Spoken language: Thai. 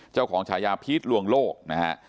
เจ้าของชาญาพิธร์รวงโลกนะครับ